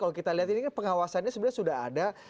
kalau kita lihat ini kan pengawasannya sebenarnya sudah ada